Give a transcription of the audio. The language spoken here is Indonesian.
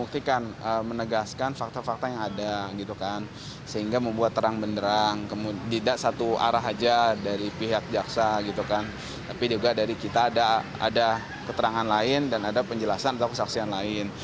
tapi juga dari kita ada keterangan lain dan ada penjelasan atau kesaksian lain